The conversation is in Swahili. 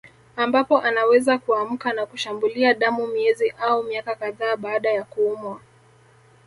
Ambapo anaweza kuamka na kushambulia damu miezi au miaka kadhaa baada ya kuumwa